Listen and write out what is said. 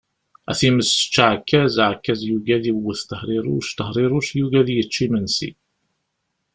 A times ečč aɛekkaz! Aɛekkaz yugi ad iwwet Tehriruc, Tehriruc yugi ad yečč imensi.